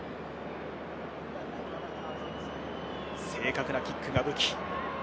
正確なキックが武器。